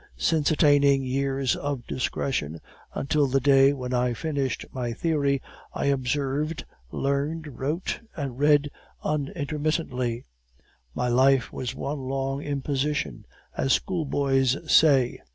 Since attaining years of discretion, until the day when I finished my 'Theory,' I observed, learned, wrote, and read unintermittingly; my life was one long imposition, as schoolboys say.